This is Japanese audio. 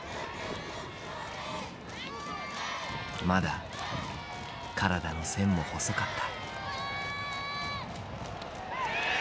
まだ体の線も細かった。